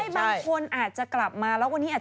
บางคนอาจจะกลับมาแล้ววันนี้อาจจะ